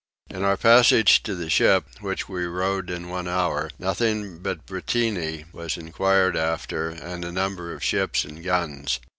In our passage to the ship, which we rowed in one hour, nothing but Britannie was enquired after and of the number of ships and guns.